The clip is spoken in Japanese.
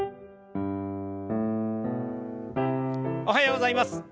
おはようございます。